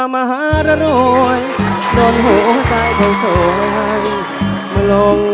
โปรดติดตามตอนต่อไป